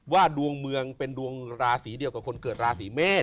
ดวงเมืองเป็นดวงราศีเดียวกับคนเกิดราศีเมษ